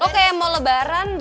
lo kayak mau lebaran deh